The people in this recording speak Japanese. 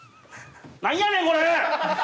何やねんこれ！